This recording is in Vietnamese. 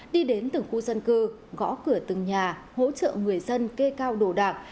đi đến từng khu dân cư gõ cửa từng nhà hỗ trợ người dân kê cao đồ đạc